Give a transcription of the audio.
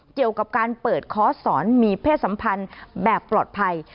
เกี่ยวกับการเปิดคอร์สสอนมีเพศสัมพันธ์แบบปลอดภัย